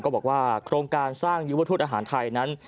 บอกว่าโครงการสร้างยุวทูตอาหารไทยนั้น